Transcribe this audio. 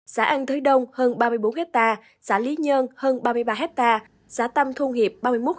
xã an thới đông xã lý nhơn xã tâm thu nghiệp